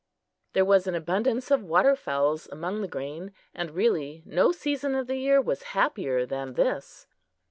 There was an abundance of water fowls among the grain; and really no season of the year was happier than this.